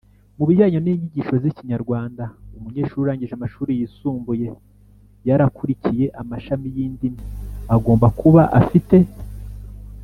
Mu bijyanye n’inyigisho y’ikinyarwanda, umunyeshuri urangije amashuri yisumbuye yarakurikiye amashami y’indimi agomba kuba afite